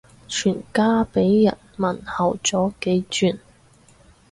全家俾人問候咗幾轉